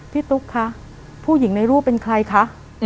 ตุ๊กคะผู้หญิงในรูปเป็นใครคะ